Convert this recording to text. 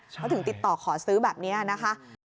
เขาถึงติดต่อขอซื้อแบบนี้นะคะ